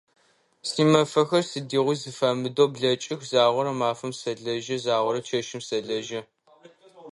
Симэфэхэр сыдигъуи зэфэмыдэу блэкӏых, загъорэ мафэм сэлэжьэ, загъорэ чэщым сэлэжьэ.